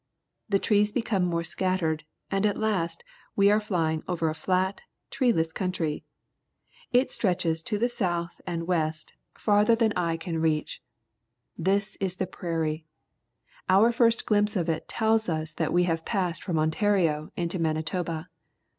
The trees become more scattered, and at last we are flying over a flat, treeless country. It stretches to the south and west farther than 10 PUBLIC SCHOOL GEOGRAPHY eye can reach. This is the prairie. Our first glimpse of it tells us that we have passed from Ontario into Manitoba.